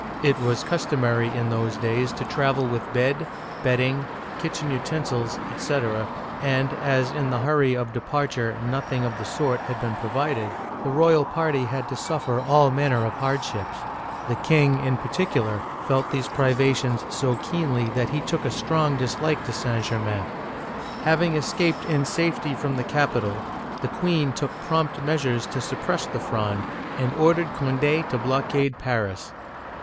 It was customary in those days to travel with bed, bedding, kitchen utensils, etc., and as in the hurry of departure nothing of the sort had been provided, the royal party had to suffer all manner of hard ships. The king, in particular, felt these privations so keenly that he took a strong dislike to St. Germain. Having escaped in safety from the capital, the queen took prompt measures to suppress the Fronde, and ordered Cond6 to blockade Paris.